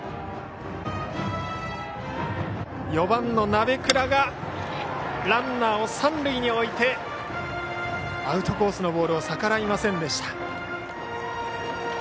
４番の鍋倉がランナーを三塁に置いてアウトコースのボールを逆らいませんでした。